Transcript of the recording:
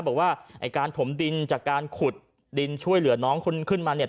บอกว่าไอ้การถมดินจากการขุดดินช่วยเหลือน้องคนขึ้นมาเนี่ย